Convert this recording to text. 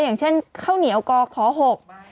อย่างเช่นข้าวเหนียวกอขอหก